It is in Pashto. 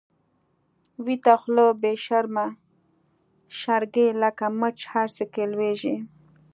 ويته خوله بی شرمه شرګی، لکه مچ هر څه کی لويږی